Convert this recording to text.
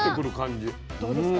どうですか？